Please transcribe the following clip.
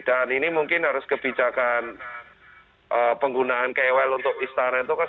dan ini mungkin harus kebijakan penggunaan kwl untuk istana itu kan